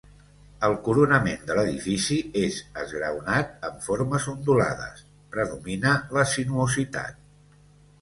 El coronament de l'edifici és esgraonat amb formes ondulades, predomina la sinuositat.